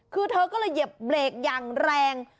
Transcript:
คือเธอก็เลยเหยียบเบรกอย่างแรง